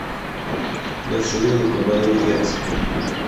La sede de condado es Jackson.